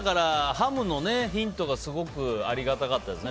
ハムのヒントがすごくありがたかったですね。